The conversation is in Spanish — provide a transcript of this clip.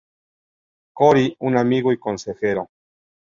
Cory, un amigo y consejero.